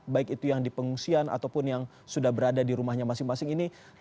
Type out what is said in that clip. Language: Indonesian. baik itu yang di pengungsian ataupun yang sudah berada di rumahnya masing masing ini